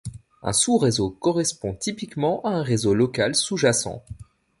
Un sous-réseau correspond typiquement à un réseau local sous-jacent.